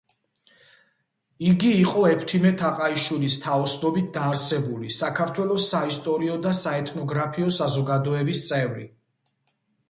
იგი იყო ექვთიმე თაყაიშვილის თაოსნობით დაარსებული საქართველოს საისტორიო და საეთნოგრაფიო საზოგადოების წევრი.